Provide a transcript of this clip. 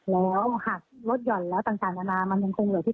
แล้วหักลดหย่อนแล้วต่างนานามันยังคงเหลือที่